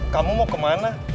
kamu mau kemana